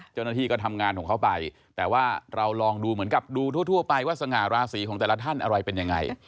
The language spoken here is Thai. เจ้าหน้าที่ก็ทำงานของเขาไปแต่ว่าเราลองดูเหมือนกับดูทั่วไปว่าสง่าราศีของแต่ละท่านอะไรเป็นยังไง